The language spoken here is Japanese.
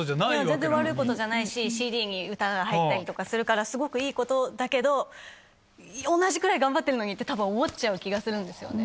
全然悪いことじゃないしＣＤに歌が入ったりとかするからすごくいいことだけど。って多分思っちゃう気がするんですよね。